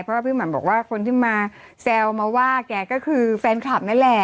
เพราะว่าพี่หม่ำบอกว่าคนที่มาแซวมาว่าแกก็คือแฟนคลับนั่นแหละ